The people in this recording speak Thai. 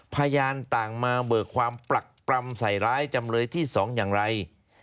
พยานต่างมาเบิกความปรักปรำใส่ร้ายจำเลยที่๒อย่างไร